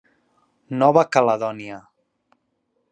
Nova Caledònia.